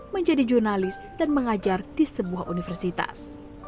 menjadi jurnalis dan mengajar di sebuah universitas